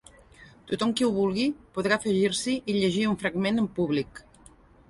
Tothom qui ho vulgui podrà afegir-s’hi i llegir un fragment en públic.